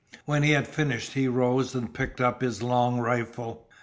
When he had finished he rose and picked up his long rifle.